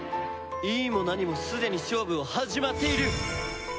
いいも何もすでに勝負は始まっている！